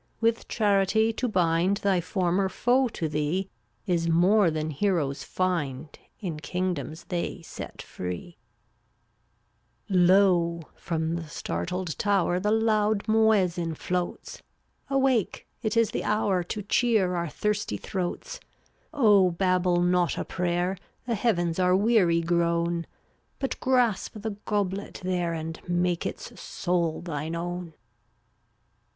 With charity to bind Thy former foe to thee Is more than heroes find In kingdoms they set free, m &matr 0Utt<$ Lo! from the startled tower The loud muezzin floats; C/ Awake, it is the hour To cheer our thirsty throats. Oh, babble not a prayer, The Heavens are weary grown; But grasp the goblet there And make its soul thine own.